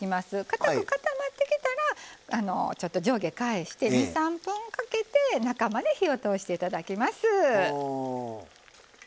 かたく固まってきたらちょっと上下返して２３分かけて中まで火を通していただきます。